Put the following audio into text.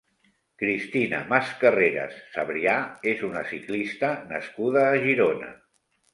Cristina Mascarreras Sabrià és una ciclista nascuda a Girona.